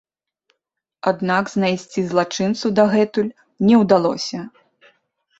Аднак знайсці злачынцу дагэтуль не ўдалося.